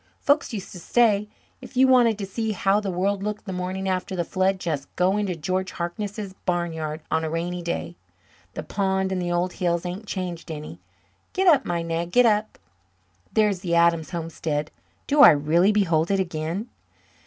Folks used to say if ye wanted to see how the world looked the morning after the flood just go into George Harkness's barn yard on a rainy day. The pond and the old hills ain't changed any. Get up, my nag, get up. There's the Adams homestead. Do I really behold it again?"